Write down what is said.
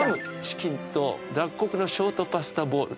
チキンと雑穀のショートパスタボウル。